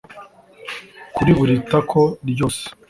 kuri buri tako, ryose